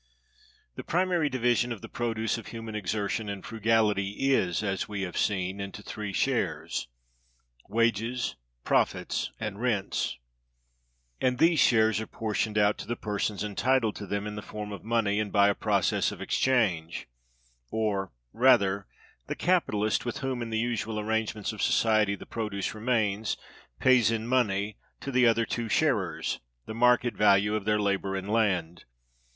The primary division of the produce of human exertion and frugality is, as we have seen, into three shares—wages, profits, and rents; and these shares are portioned out, to the persons entitled to them, in the form of money and by a process of exchange; or, rather, the capitalist, with whom in the usual arrangements of society the produce remains, pays in money, to the other two sharers, the market value of their labor and land.